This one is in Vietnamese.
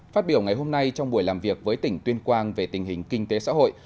phát biểu ngày hôm nay trong buổi làm việc với tỉnh tuyên quang về tình hình kinh tế xã hội